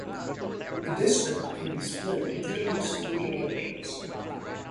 The district can be split into at least three areas.